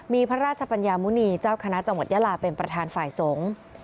มีพันธ์ราชปัญญามณีเจ้าคจยาลาเป็นประธานฝ่ายสงฆ์